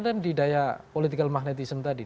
di daya politikal magnetisme tadi